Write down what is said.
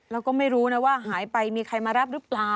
แล้วก็ไม่รู้นะว่าหายไปมีใครมารับหรือเปล่า